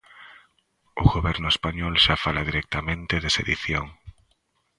O Goberno español xa fala directamente de sedición.